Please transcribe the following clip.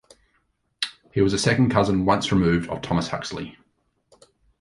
He was a second-cousin once removed of Thomas Huxley.